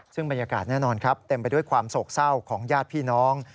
ซึ่งบรรยากาศแน่นอนครับเต็มไปด้วยความโศกเศร้าของญาติพี่น้อง